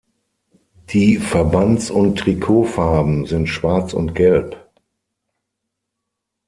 Die Verbands- und Trikotfarben sind schwarz und gelb.